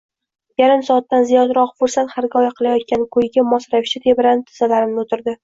Yarim soatdan ziyodroq fursat hirgoyi qilayotgan kuyiga mos ravishda tebranib tizzalarimda o`tirdi